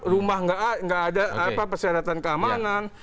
rumah nggak ada persyaratan keamanan